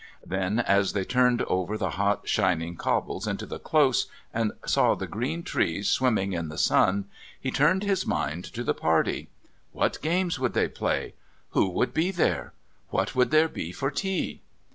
Then, as they turned over the hot shining cobbles into the Close and saw the green trees swimming in the sun, he turned his mind to the party. What games would they play? Who would be there? What would there be for tea?